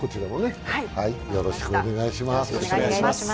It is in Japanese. よろしくお願いします。